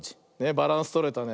バランスとれたね。